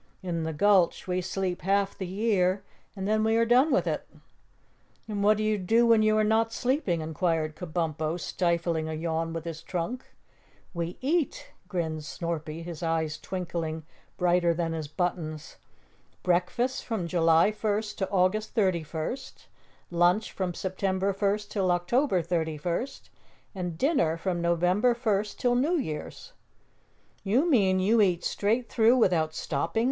In the Gulch we sleep half the year and then we are done with it." "And what do you do when you are not sleeping?" inquired Kabumpo, stifling a yawn with his trunk. "We eat," grinned Snorpy, his eyes twinkling brighter than his buttons. "Breakfast from July first to August thirty first; lunch from September first till October thirty first; and dinner from November first till New Year's." "You mean you eat straight through without stopping?"